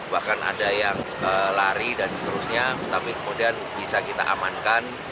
bahkan ada yang lari dan seterusnya tapi kemudian bisa kita amankan